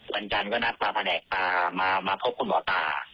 บรรจันก็นัดมาแผนกตามาพบคุณหมอตา